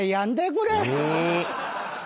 これ。